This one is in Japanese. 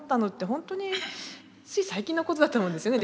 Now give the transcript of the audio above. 本当につい最近のことだと思うんですね